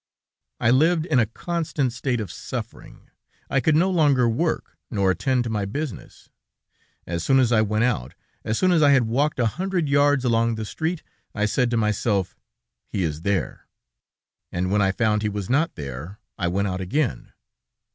"I lived in a constant state of suffering. I could no longer work, nor attend to my business. As soon as I went out, as soon as I had walked a hundred yards along the street, I said to myself: 'He is there!' and when I found he was not there, I went out again!